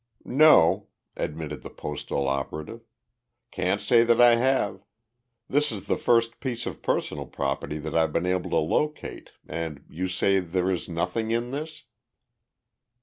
"No," admitted the postal operative. "Can't say that I have. This is the first piece of personal property that I've been able to locate and you say there is nothing in this?"